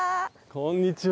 こんにちは。